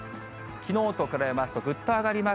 きのうと比べますとぐっと上がります。